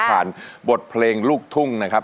บทเพลงลูกทุ่งนะครับ